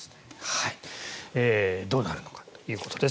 どうなるのかということです。